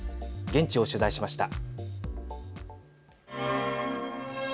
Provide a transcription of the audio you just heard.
現地を取材しました。